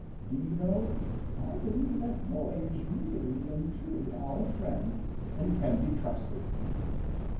Do you know, I believe that boy is really and truly our friend and can be trusted."